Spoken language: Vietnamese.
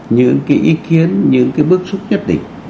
những cái ý kiến những cái bước xúc nhất định